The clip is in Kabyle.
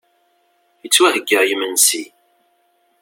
Ittwaheyya yimensi.